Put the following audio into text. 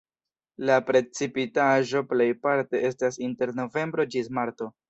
La precipitaĵo plejparte estas inter novembro ĝis marto.